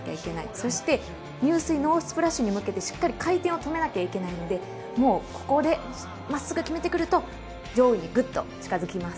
そして入水、ノースプラッシュに向けてしっかり回転を止めなきゃいけないのでここで真っすぐ決めてくると上位にグッと近付きます。